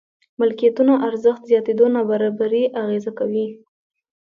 ملکيتونو ارزښت زياتېدو نابرابري اغېزه کوي.